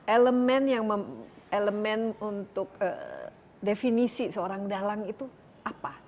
elemen elemen untuk definisi seorang dalang itu apa